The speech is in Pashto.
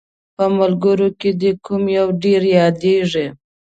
په ملګرو کې دې کوم یو ډېر یادیږي؟